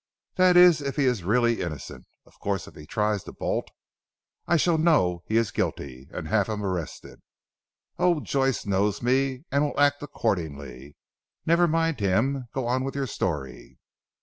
That is, if he is really innocent. Of course if he tries to bolt, I shall know he is guilty, and have him arrested. Oh, Joyce knows me, and will act accordingly. Never mind him. Go on with your story."